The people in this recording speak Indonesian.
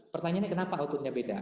pertanyaannya kenapa outputnya beda